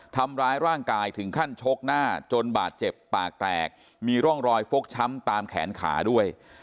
ทำร้ายร่างกายถึงขั้นชกหน้าจนบาดเจ็บปากแตกมีร่องรอยฟกช้ำตามแขนขาด้วย